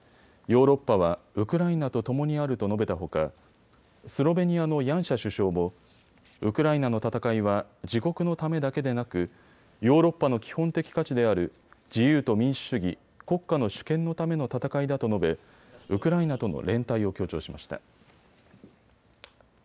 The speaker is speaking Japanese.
ヨーロッパはウクライナとともにあると述べたほかスロベニアのヤンシャ首相もウクライナの戦いは自国のためだけでなくヨーロッパの基本的価値である自由と民主主義、国家の主権のための戦いだと述べウクライナとの連帯を強調しました。